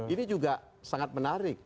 ini juga sangat menarik